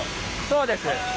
そうです。